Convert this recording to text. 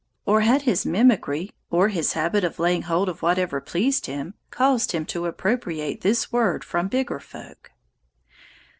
Or had his mimicry or his habit of laying hold of whatever pleased him caused him to appropriate this word from bigger folk?